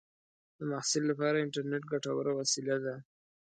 د محصل لپاره انټرنېټ ګټوره وسیله ده.